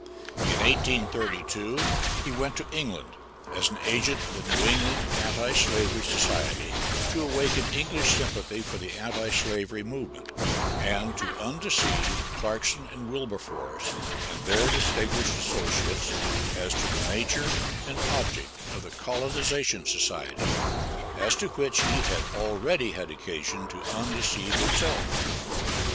In 1832, he went to England, as an agent of the New England Anti slavery Society, to awaken English sympathy for the anti slavery movement, and to undeceive Clarkson and Wilberforce and their distinguished associates as to the nature and object of the Colonization Society, as to which he had already had occasion to undeceive himself.